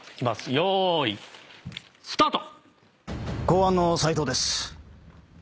よーいスタート！